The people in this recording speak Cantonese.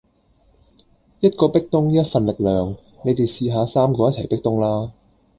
一個壁咚一份力量，你哋試吓三個一齊壁咚啦